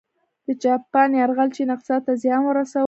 د جاپان یرغل چین اقتصاد ته زیان ورساوه.